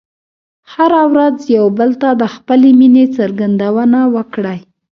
هره ورځ یو بل ته د خپلې مینې څرګندونه وکړئ.